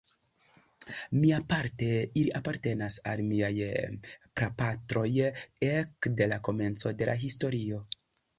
Miaparte, ili apartenas al miaj prapatroj ekde la komenco de la historio.